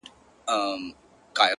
د رڼاگانو شيسمحل کي به دي ياده لرم ـ